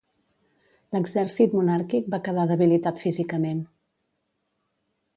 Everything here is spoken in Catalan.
L'exèrcit monàrquic va quedar debilitat físicament.